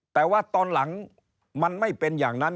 แต่ว่าตอนหลังมันไม่เป็นอย่างนั้น